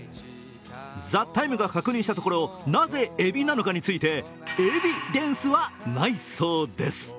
「ＴＨＥＴＩＭＥ，」が確認したところなぜエビなのかについてエビデンスはないそうです。